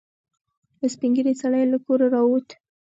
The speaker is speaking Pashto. یو سپین ږیری سړی له کوره راووت.